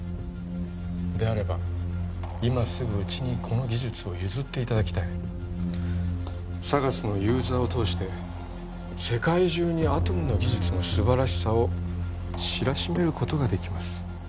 であれば今すぐうちにこの技術を譲っていただきたいＳＡＧＡＳのユーザーを通して世界中にアトムの技術の素晴らしさを知らしめることができます